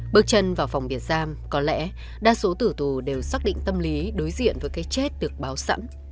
bước chân vào phòng biệt giam có lẽ đa số tử tù đều xác định tâm lý đối diện với cái chết được báo sẵn